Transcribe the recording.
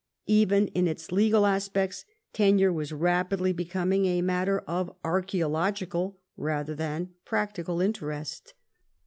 Even in its legal aspects temire was rapidly becoming a matter of archseo logical rather than practical interest.